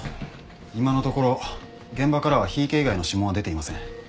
今のところ現場からは檜池以外の指紋は出ていません。